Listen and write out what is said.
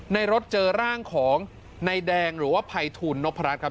ในรถเจอร่างของนายแดงหรือว่าภัยทูลนพรัชครับ